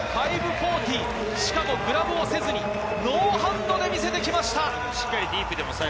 さくら、今大会初の５４０、しかもグラブをせずにノーハンドで見せてきました。